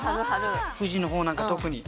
富士の方なんか特に。